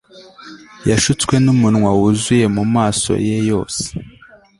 Yashutswe numunwa wuzuye mumaso ye yose